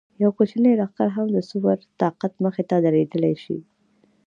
یو کوچنی لښکر هم د سوپر طاقت مخې ته درېدلی شي.